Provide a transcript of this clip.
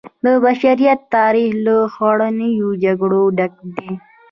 د بشریت تاریخ له خونړیو جګړو ډک دی.